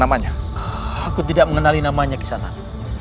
saya tidak mengenali namanya kisanak